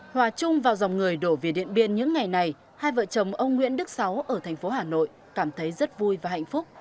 hòa chung vào dòng người đổ về điện biên những ngày này hai vợ chồng ông nguyễn đức sáu ở thành phố hà nội cảm thấy rất vui và hạnh phúc